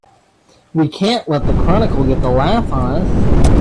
We can't let the Chronicle get the laugh on us!